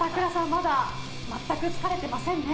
まだ全く疲れてませんね。